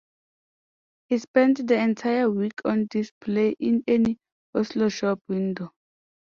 He spent the entire week on display in an Oslo shop window.